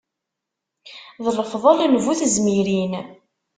S lefḍel n bu tezmirin.